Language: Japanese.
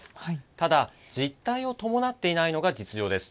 ただ実態を伴っていないのが実情です。